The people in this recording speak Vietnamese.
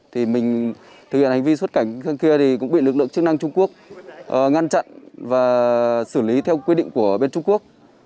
thì mình thực hiện hành vi xuất cảnh bên kia thì cũng bị lực lượng chức năng trung quốc ngăn chặn và xử lý theo quy định của bên trung quốc